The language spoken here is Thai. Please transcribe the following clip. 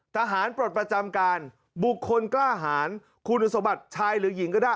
ปลดประจำการบุคคลกล้าหารคุณสมบัติชายหรือหญิงก็ได้